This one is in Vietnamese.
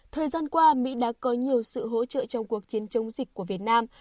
thời gian qua mỹ đã có nhiều sự hỗ trợ trong cuộc chiến chống dịch của việt nam